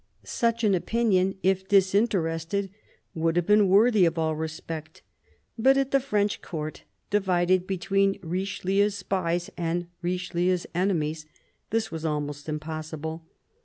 Such an opinion, if disinterested, would have been worthy of all respect ; but at the French Court, divided between Richelieu's spies and Richelieu's enemies, this was almost impossible.